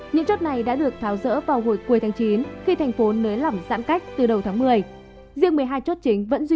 những chốt này đã được tháo rỡ vào hồi cuối tháng chín khi tp hcm nới lỏng giãn cách từ đầu tháng một mươi